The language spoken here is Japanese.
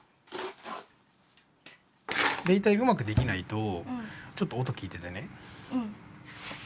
大体うまくできないとちょっと音聞いててね。